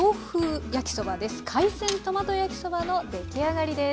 海鮮トマト焼きそばの出来上がりです。